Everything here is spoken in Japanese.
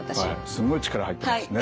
すごい力入ってますね。